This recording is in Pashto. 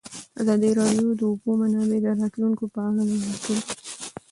ازادي راډیو د د اوبو منابع د راتلونکې په اړه وړاندوینې کړې.